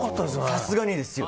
さすがにですよ。